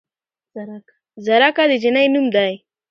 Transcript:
زرکه د جينۍ نوم دے